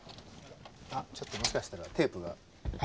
ちょっともしかしたらテープが。